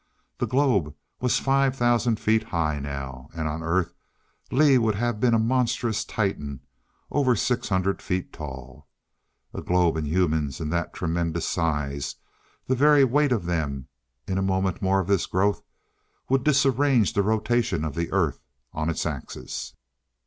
The globe was five thousand feet high now. And on Earth Lee would have been a monstrous Titan over six hundred feet tall. A globe, and humans in that tremendous size the very weight of them in a moment more of this growth would disarrange the rotation of the Earth on its axis!...